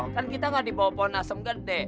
kan kita gak di bawah pohon asem gede